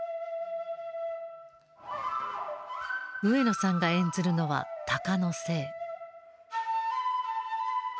上野さんが演ずるのは鷹の精。